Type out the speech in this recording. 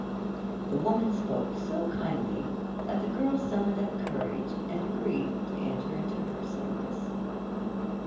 The old woman spoke so kindly, that the girl summoned up courage and agreed to enter into her service.